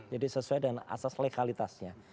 jadi sesuai dengan asas legalitasnya